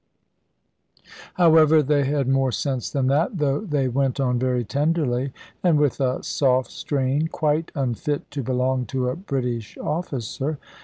However, they had more sense than that; though they went on very tenderly, and with a soft strain quite unfit to belong to a British officer.